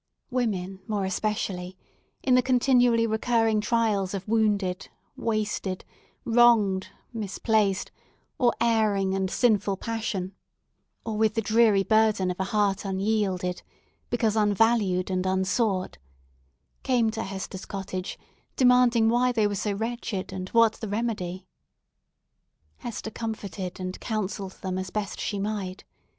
Women, more especially—in the continually recurring trials of wounded, wasted, wronged, misplaced, or erring and sinful passion—or with the dreary burden of a heart unyielded, because unvalued and unsought came to Hester's cottage, demanding why they were so wretched, and what the remedy! Hester comforted and counselled them, as best she might.